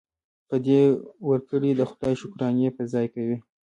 په دې ورکړې د خدای شکرانې په ځای کوي.